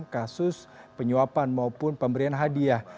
kasus penyuapan maupun pemberian hadiah